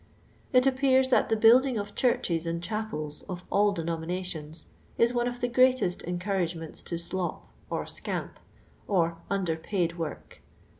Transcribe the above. It appears that the build in;? ot churches and chapels, of all denominations, is one of the greatest encouragement to slop, or scamp, or under paid work.